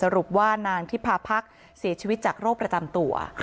รุปว่านางทิพาพักษ์เสียชีวิตจากโรคประจำตัว